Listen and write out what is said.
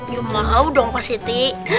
ya mau dong positi